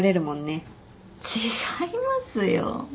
違いますよ。